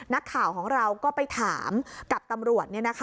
นักข่าวของเราก็ไปถามกับตำรวจ